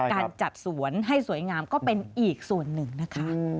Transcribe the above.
การจัดสวนให้สวยงามก็เป็นอีกส่วนหนึ่งนะคะ